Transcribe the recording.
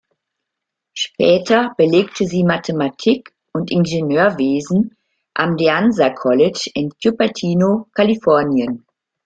Später belegte sie Mathematik und Ingenieurwesen am „De Anza College“ in Cupertino, Kalifornien.